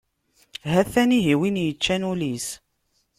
Ha-t-an ihi win yeččan ul-is!